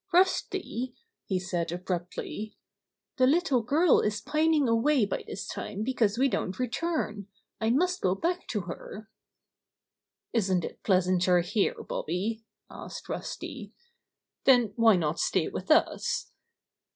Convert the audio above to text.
"Rusty," he said abruptly, "the little girl is pining away by this time because we don't re turn. I must go back to her." 121 122 Bobby Gray Squirrel's Adventures "Isn't it pleasanter here, Bobby?" asked Rusty. "Then why not stay with us?"